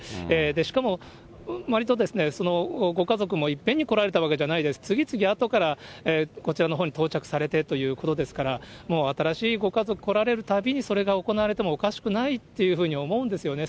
しかもわりとご家族もいっぺんに来られたわけじゃないです、次々あとからこちらのほうに到着されてということですから、もう新しいご家族来られるたびに、それが行われてもおかしくないっていうふうに思うんですよね。